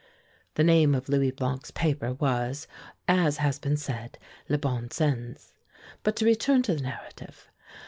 The name of Louis Blanc's paper was, as has been said, "Le Bon Sens." But to return to the narrative.